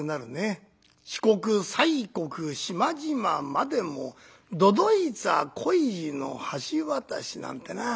『四国西国島々までも都々逸ぁ恋路の橋渡し』なんてな。